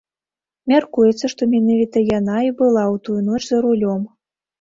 Мяркуецца, што менавіта яна і была ў тую ноч за рулём.